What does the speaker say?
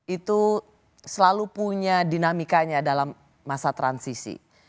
itu selalu punya dinamikanya dalam masa transisi